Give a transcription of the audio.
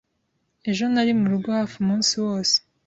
Ejo nari murugo hafi umunsi wose.